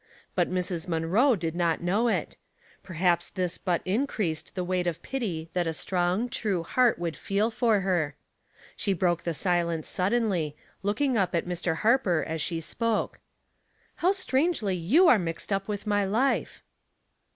But Mrs. Munroe did not know it ; perhaps this but in creased the weiglit of pity that a strong, true heart would feel for her. She broke the silence suddenly, looking up at Mr. Harper as she spoke, — "How strangely you are mixed up with my life."